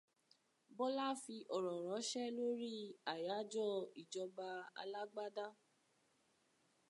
Bọ́lá fi ọ̀rọ̀ ránṣẹ́ lórí àyájọ́ ìjọba alágbádá.